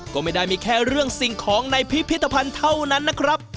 ก็ไม่ได้มีแค่เรื่องสิ่งของในพิพิธภัณฑ์เท่านั้นนะครับ